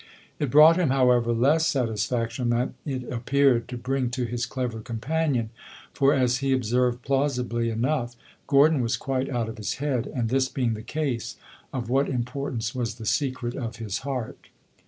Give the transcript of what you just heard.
It brought him, however, less satisfaction than it appeared to bring to his clever companion; for, as he observed plausibly enough, Gordon was quite out of his head, and, this being the case, of what importance was the secret of his heart?